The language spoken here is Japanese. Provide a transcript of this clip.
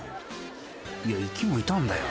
［いや行きもいたんだよ。